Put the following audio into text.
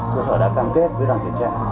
cơ sở đã cam kết với đoàn kiểm tra